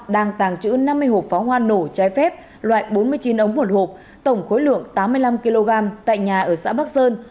đang tàng trữ năm mươi hộp pháo hoa nổ trái phép loại bốn mươi chín ống một hộp tổng khối lượng tám mươi năm kg tại nhà ở xã bắc sơn